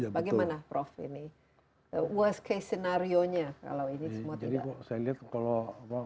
bagaimana prof ini worst case scenario nya kalau ini semua tidak